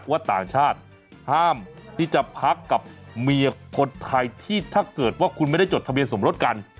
ว่าต่างชาติห้ามที่จะพักกับเมียคนไทยที่ถ้าเกิดว่าคุณไม่ได้จดทะเบียนสมรสกัน